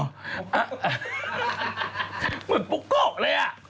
เหมือนปุ๊กโกะเลยอ่ะ